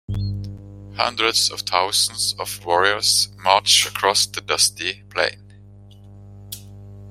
Hundreds of thousands of warriors marched across the dusty plain.